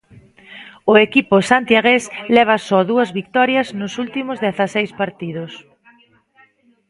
O equipo santiagués leva só dúas vitorias nos últimos dezaseis partidos.